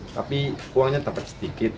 tapi uangnya tepat sedikit